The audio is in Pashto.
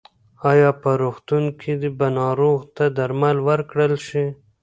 ایا په روغتون کې به ناروغ ته درمل ورکړل شي؟